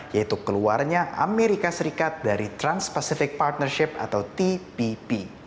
yaitu keluarnya amerika serikat dari trans pacific partnership atau tpp